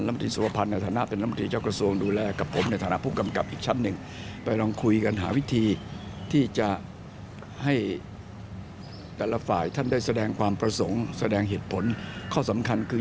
มันคืออะไรสองถ้าไม่ทำมันจะเกิดอะไรขึ้น